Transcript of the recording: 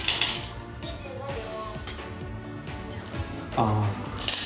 ああ。